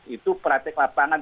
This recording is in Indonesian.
itu praktek lapangan